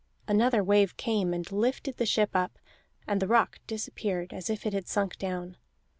Another wave came and lifted the ship up, and the rock disappeared as if it had sunk down.